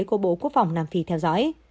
của bộ quốc phòng nam phi theo dõi